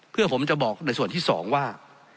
เพื่อผมจะบอกในส่วนที่๒ว่า